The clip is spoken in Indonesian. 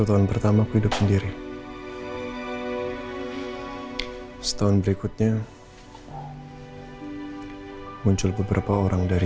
aku tahan pertama kuidup sendiri setahun berikutnya muncul beberapa orang dari